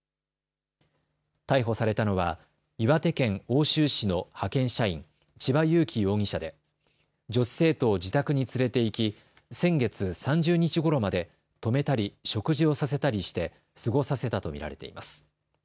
逮捕されたのは岩手県奥州市の派遣社員、千葉裕生容疑者で女子生徒を自宅に連れて行き先月３０日ごろまで泊めたり食事をさせたりして過ごさせたと見られています。